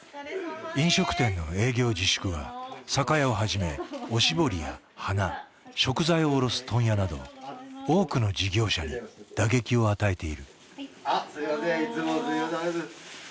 飲食店の営業自粛は酒屋をはじめおしぼりや花食材を卸す問屋など多くの事業者に打撃を与えている。